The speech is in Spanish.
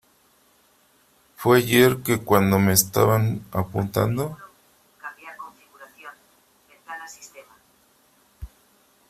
fue ayer , que cuando me estaban apuntando